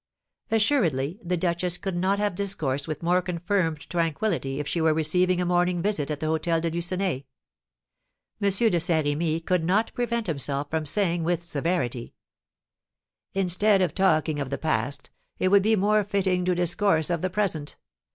'" Assuredly the duchess could not have discoursed with more confirmed tranquillity if she were receiving a morning visit at the Hôtel de Lucenay. M. de Saint Remy could not prevent himself from saying with severity: "Instead of talking of the past, it would be more fitting to discourse of the present.